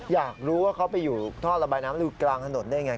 อยากรู้ว่าเขาไปอยู่ท่อระบายน้ำกลางถนนได้ยังไง